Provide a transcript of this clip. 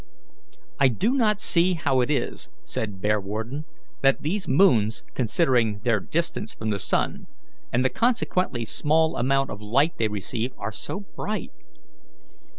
"I do not see how it is," said Bearwarden, "that these moons, considering their distance from the sun, and the consequently small amount of light they receive, are so bright."